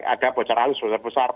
ada bocor arus besar besar